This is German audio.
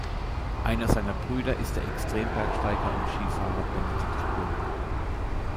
Einer seiner Brüder ist der Extrembergsteiger und -skifahrer Benedikt Böhm.